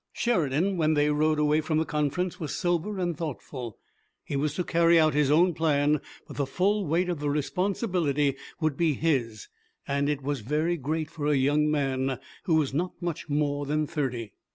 Sheridan, when they rode away from the conference, was sober and thoughtful. He was to carry out his own plan, but the full weight of the responsibility would be his, and it was very great for a young man who was not much more than thirty.